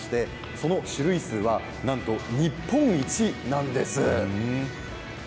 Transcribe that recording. その種類数はなんと日本一なんです。